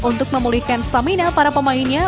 untuk memulihkan stamina para pemainnya